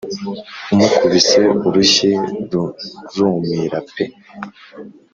umukubise urushyi rurumira pe